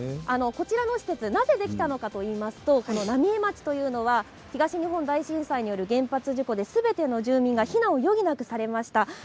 こちらの施設なぜできたのかといいますと浪江町というのは東日本大震災による原発事故ですべての住人が避難を余儀なくされました。